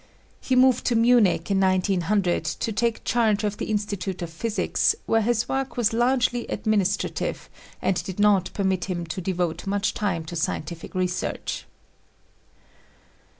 He moved to Munich in 1900 to take charge of the Institute of Physics, where his work was largely administrative and did not permit him to devote much time to scientific research.